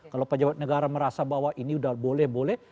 kalau pejabat negara merasa bahwa ini udah boleh boleh